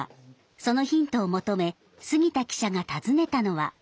そのヒントを求め杉田記者が訪ねたのは。